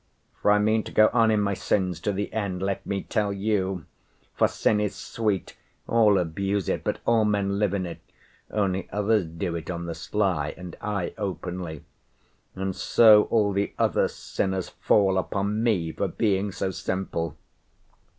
For I mean to go on in my sins to the end, let me tell you. For sin is sweet; all abuse it, but all men live in it, only others do it on the sly, and I openly. And so all the other sinners fall upon me for being so simple.